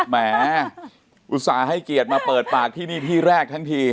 หมออุตส่าห์ให้เกียรติมาเปิดปากที่นี่ที่แรกทั้งที